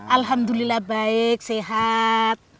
alhamdulillah baik sehat